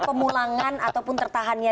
tapi artinya pemulangan ataupun tertahannya ini